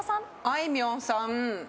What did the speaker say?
あいみょんさん。